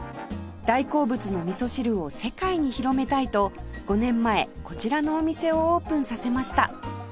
大好物のみそ汁を世界に広めたいと５年前こちらのお店をオープンさせました